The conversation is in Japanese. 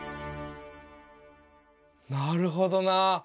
なるほどなあ。